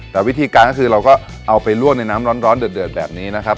แต่วิธีการก็คือเราก็เอาไปลวกในน้ำร้อนเดือดแบบนี้นะครับ